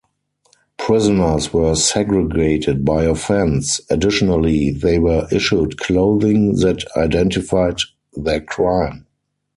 Prisoners were segregated by offense; additionally they were issued clothing that identified their crime.